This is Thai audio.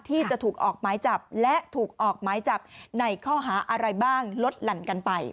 ที่จะถูกออกหมายจับและถูกออกหมายจับในข้อหาอะไรบ้างลดหลั่นกันไป